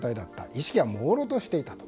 意識はもうろうとしていたと。